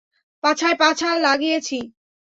পাছায় পাছা লাগিয়েছি।